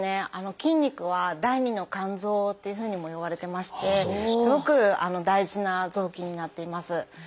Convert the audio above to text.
筋肉は「第二の肝臓」っていうふうにもいわれてましてすごく大事な臓器になっています。